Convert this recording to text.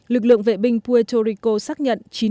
lực lượng vệ binh puerto rico xác nhận